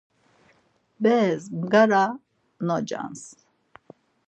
Beres bgara nocans.